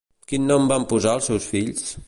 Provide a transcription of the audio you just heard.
Quin nom van posar als seus fills?